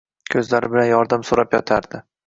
Koʻzlari bilan yordam soʻrab yotardi